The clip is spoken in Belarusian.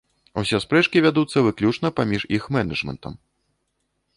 Усе спрэчкі вядуцца выключна паміж іх менэджмэнтам.